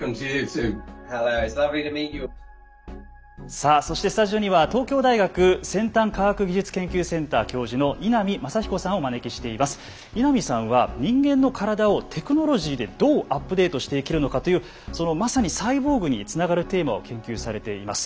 さあそしてスタジオには稲見さんは人間の体をテクノロジーでどうアップデートしていけるのかというそのまさにサイボーグにつながるテーマを研究されています。